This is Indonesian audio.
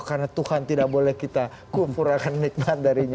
karena tuhan tidak boleh kita kufurakan nikmat darinya